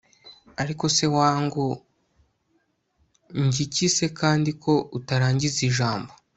ariko se wangu!!! njye iki se kandi ko utarangiza ijambo